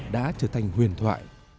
đã trở thành huyền thoại